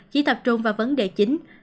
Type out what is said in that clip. chỉ tập trung vào vấn đề chính